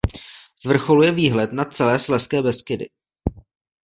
Z vrcholu je výhled na celé Slezské Beskydy.